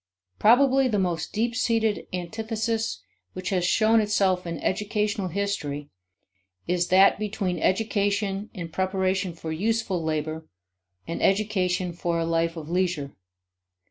Probably the most deep seated antithesis which has shown itself in educational history is that between education in preparation for useful labor and education for a life of leisure.